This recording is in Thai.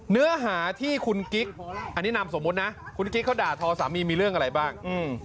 เนื้อหาที่คุณกิ๊กอันนี้นามสมมุตินะคุณกิ๊กเขาด่าทอสามีมีเรื่องอะไรบ้าง